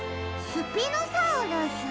スピノサウルス？